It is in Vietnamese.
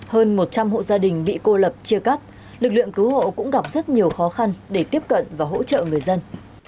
hơn một trăm linh hộ gia đình bị cô lập chia cắt lực lượng cứu hộ cũng gặp rất nhiều khó khăn để tiếp cận và hỗ trợ người dân